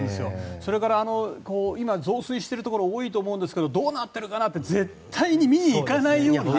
それから、増水しているところが多いと思いますがどうなってるかなって絶対に見に行かないようにね